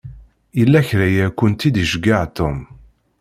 Yella kra i akent-id-iceyyeɛ Tom.